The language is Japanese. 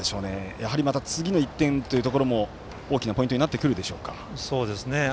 やはりまだ次の１点というのも大きなポイントになってくるでしょうか。